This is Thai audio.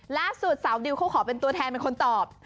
สาวดิวเขาขอเป็นตัวแทนเป็นคนตอบ